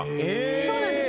そうなんです。